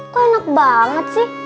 kok enak banget sih